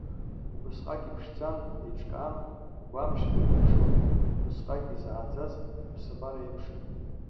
Убасҟак иԥшӡан, еиҿкаан, агәамч ду рныԥшуан, убасҟак изааӡаз аԥсабара еиԥшын.